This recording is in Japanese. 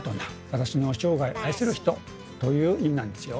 「私の生涯愛する人」という意味なんですよ。